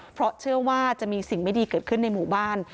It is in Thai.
เพราะเชื่อว่าจะมีสิ่งไม่ดีเกิดขึ้นในหมู่บ้าน